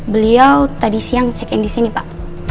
beliau tadi siang check in disini pak